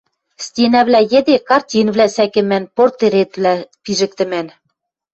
Стенӓвлӓ йӹде картинвлӓ сӓкӹмӓн, портретвлӓ пижӹктӹмӓн